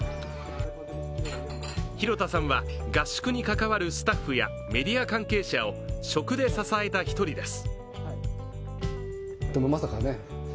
廣田さんは合宿に関わるスタッフやメディア関係者を食で支えた一人です。